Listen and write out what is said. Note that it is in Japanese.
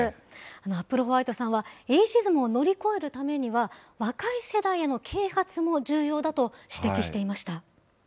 アップルホワイトさんは、エイジズムを乗り越えるためには、若い世代への啓発も重要だと指摘していました。